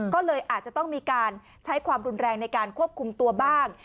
ก็เลยอาจจะต้องมีการใช้ความรุนแรงในการควบคุมตัวบ้าง